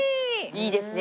いいですね。